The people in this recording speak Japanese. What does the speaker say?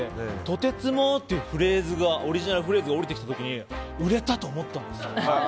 とてつもってオリジナルフレーズがおりてきた時に売れたと思ったんですよ。